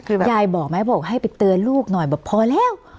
ยายบอกไหมบอกให้ไปเตือนลูกหน่อยบอกพอแล้ว